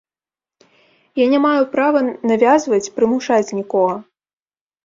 Я не маю права навязваць, прымушаць нікога.